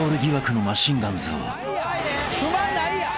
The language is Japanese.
不満ないやん。